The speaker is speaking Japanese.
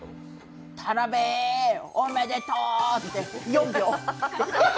田辺、おめでとうって４秒。